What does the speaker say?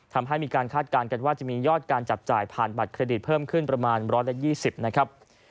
ทำให้มีการคาดการณ์กันว่าจะมียอดการจับจ่ายผ่านบัตรเครดิตเพิ่มขึ้นประมาณ๑๒๐นะครับ